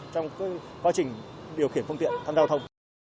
trong quá trình điều khiển phương tiện tham gia giao thông